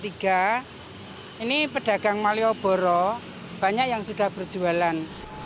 ini pedagang malioboro banyak yang sudah berjualan